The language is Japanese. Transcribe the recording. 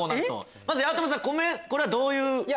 まず八乙女さん「米」これはどういう。